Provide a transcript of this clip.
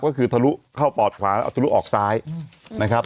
ก็คือทะลุเข้าปอดขวาแล้วทะลุออกซ้ายนะครับ